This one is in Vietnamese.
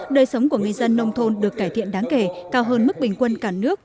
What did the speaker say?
đời sống của người dân nông thôn được cải thiện đáng kể cao hơn mức bình quân cả nước